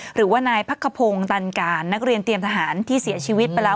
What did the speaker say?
หรือว่านายพักขพงศ์ตันการนักเรียนเตรียมทหารที่เสียชีวิตไปแล้ว